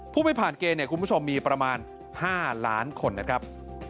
ผู้ไม่ผ่านเกณฑ์เนี่ยคุณผู้ชมมีประมาณ๕ล้านคนนะครับ